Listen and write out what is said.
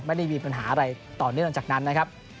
ไม่ได้มีปัญหาอะไรต่อเนื่องหลังจากนั้นนะครับ